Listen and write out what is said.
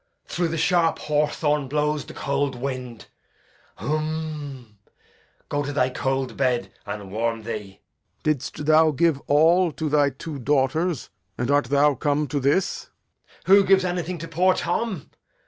Through the sharp hawthorn blows the cold wind. Humh! go to thy cold bed, and warm thee. Lear. Hast thou given all to thy two daughters, and art thou come to this? Edg. Who gives anything to poor Tom?